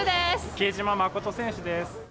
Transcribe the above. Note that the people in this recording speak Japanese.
比江島慎選手です。